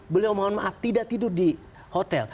beliau mohon maaf tidak tidur di hotel